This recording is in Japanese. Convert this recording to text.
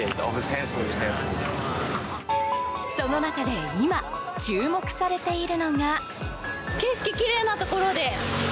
その中で今、注目されているのが。